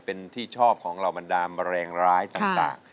เป็นที่ชอบของเรามันดามแรงร้ายต่าง